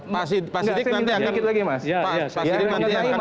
pak siddiq nanti akan